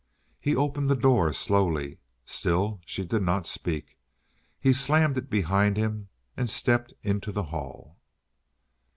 He opened the door slowly. Still she did not speak. He slammed it behind him and stepped into the hall.